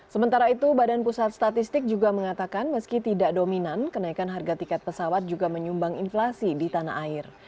sementara itu badan pusat statistik juga mengatakan meski tidak dominan kenaikan harga tiket pesawat juga menyumbang inflasi di tanah air